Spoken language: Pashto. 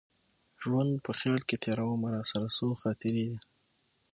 ژوند په خیال کي تېرومه راسره څو خاطرې دي